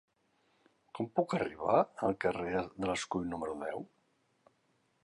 Com puc arribar al carrer de l'Escull número deu?